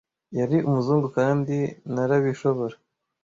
yari umuzungu kandi narabishobora